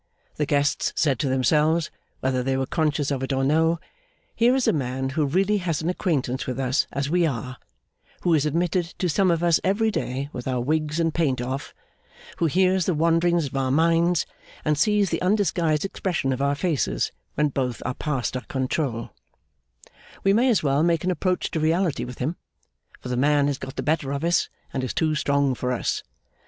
The guests said to themselves, whether they were conscious of it or no, 'Here is a man who really has an acquaintance with us as we are, who is admitted to some of us every day with our wigs and paint off, who hears the wanderings of our minds, and sees the undisguised expression of our faces, when both are past our control; we may as well make an approach to reality with him, for the man has got the better of us and is too strong for us.